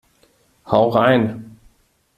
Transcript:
Hau rein!